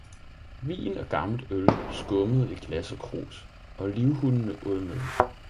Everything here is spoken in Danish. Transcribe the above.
vin og gammelt øl skummede i glas og krus, og livhundene åd med.